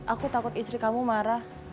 aku takut istri kamu marah